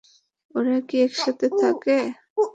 ওরা কি একসাথে থাকে?